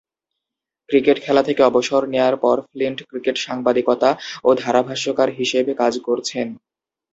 Cricket খেলা থেকে অবসর নেয়ার পর ফ্লিন্ট ক্রিকেট সাংবাদিকতা ও ধারাভাষ্যকার হিসেবে কাজ করছেন।